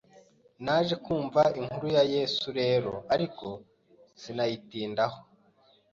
Naje kumva inkuru ya Yesu rero ariko sinayitindaho